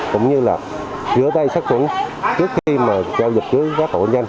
cũng như giữa tay sát chuẩn trước khi giao dịch với các hộ nhân